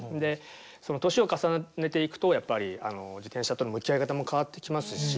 その年を重ねていくとやっぱり自転車との向き合い方も変わってきますし。